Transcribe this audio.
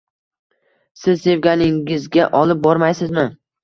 Siz sevganingizga olib bormaysizmi?